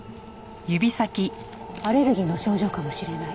アレルギーの症状かもしれない。